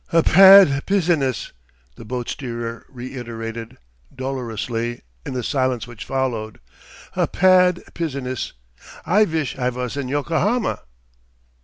"A pad piziness," the boat steerer reiterated, dolorously, in the silence which followed. "A pad piziness. I vish I vas in Yokohama.